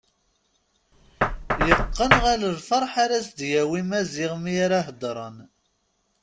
Yeqqen ɣer lferḥ ara s-d-yawi Maziɣ mi ara heddren.